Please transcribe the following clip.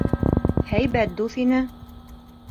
Һәйбәт дуҫ ине.